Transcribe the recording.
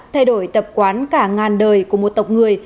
thay đổi tập quán cả ngàn đời của một tộc người